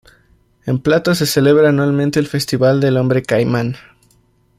En Plato se celebra anualmente el Festival del Hombre Caimán.